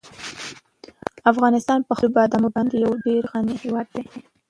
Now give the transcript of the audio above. افغانستان په خپلو بادامو باندې یو ډېر غني هېواد دی.